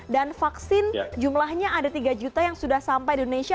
dan vaksin jumlahnya ada tiga juta yang sudah sampai di indonesia